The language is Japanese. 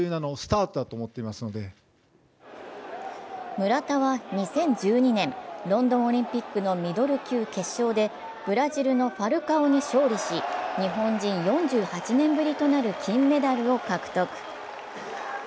村田は２０１２年、ロンドンオリンピックのミドル級決勝でブラジルのファルカオに勝利し、日本人４８年ぶりとなる金メダルを獲得。